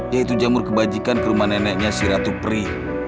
yaitu jamur kebajikan ke rumah neneknya si ratu pri